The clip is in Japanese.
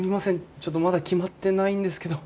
ちょっとまだ決まってないんですけど。